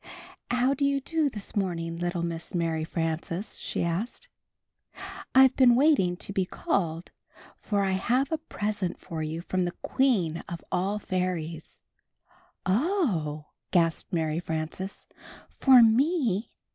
"How do you do this morning, little Miss Mary Frances?" she asked. "I've been waiting to be called, for I have a present for you from the Queen of AU Fairies." 7' Oh!" gasped Mary Frances, "for me?"